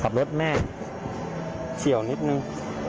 รถแม่เฉียวนิดนึง